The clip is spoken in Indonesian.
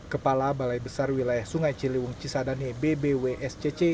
kepala balai besar wilayah sungai ciliwung cisadane bbwscc